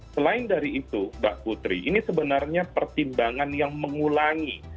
selain dari itu mbak putri ini sebenarnya pertimbangan yang mengulangi